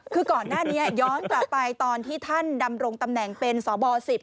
คือก่อนหน้านี้ย้อนกลับไปตอนที่ท่านดำรงตำแหน่งเป็นสบ๑๐